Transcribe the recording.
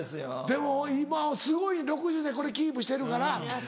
でも今すごい６０でこれキープしてるから。